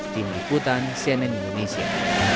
jimi putan cnn indonesia